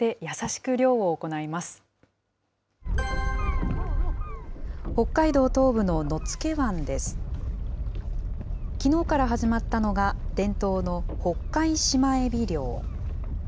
きのうから始まったのが、伝統のホッカイシマエビ漁。